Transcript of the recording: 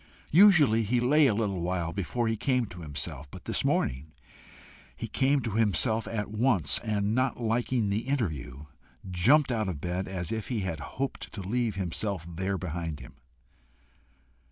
Usually he lay a little while before he came to himself; but this morning he came to himself at once, and not liking the interview, jumped out of bed as if he had hoped to leave himself there behind him.